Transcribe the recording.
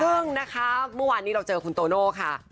ซึ่งนะคะเมื่อวานนี้เราเจอคุณโตโน่ค่ะ